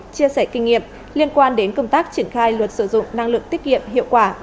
chia sẻ kinh nghiệm liên quan đến công tác triển khai luật sử dụng năng lượng tiết kiệm hiệu quả